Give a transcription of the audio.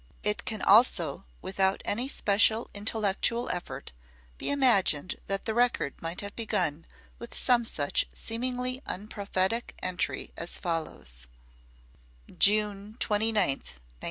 It can also without any special intellectual effort be imagined that the record might have begun with some such seemingly unprophetic entry as follows: "June 29th, 1914.